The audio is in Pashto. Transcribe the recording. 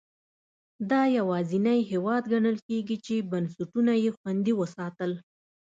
دا یوازینی هېواد ګڼل کېږي چې بنسټونه یې خوندي وساتل.